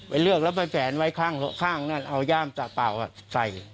ไปเลือกแล้วไปแผนไว้ข้างข้างนั้นเอาย่ามสระเปล่าอ่ะใส่